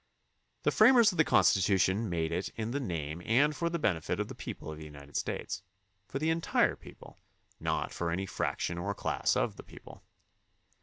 The framers of the Constitution made it in the name and for the benefit of the people of the United States; for the entire people, not for any fraction or class of the people.